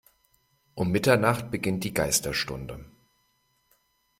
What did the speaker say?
Um Mitternacht beginnt die Geisterstunde.